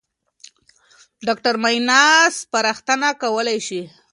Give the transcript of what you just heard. ډاکټر معاینه سپارښتنه کولای شي.